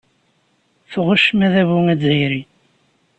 Tɣuccem adabu azzayri.